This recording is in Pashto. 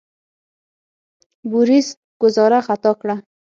بوریس ګوزاره خطا کړه.